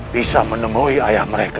bisa menemui ayah mereka